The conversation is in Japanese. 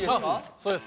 そうです。